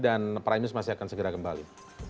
dan primus masih akan segera kembali